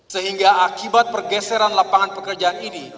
sehingga akibat pergeseran lapangan pekerjaan ini